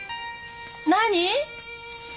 何？